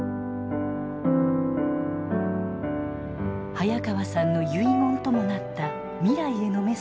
早川さんの遺言ともなった未来へのメッセージを振り返り